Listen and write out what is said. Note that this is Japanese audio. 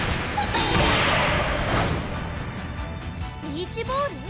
ビーチボール？